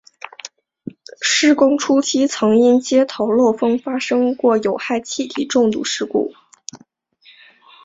施工初期曾因接头漏风发生过有害气体中毒事故。